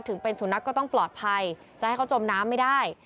ถึงเป็นสุนัขก็ต้องปลอดภัยจะให้เขาจมน้ำไม่ได้